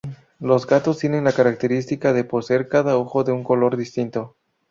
Los gatos tiene la característica de poseer cada ojo de un color distinto.